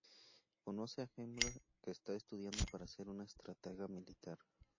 Conoce a Horemheb, que está estudiando para ser un estratega militar.